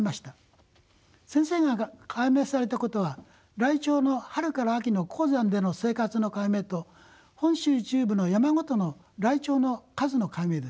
先生が解明されたことはライチョウの春から秋の高山での生活の解明と本州中部の山ごとのライチョウの数の解明です。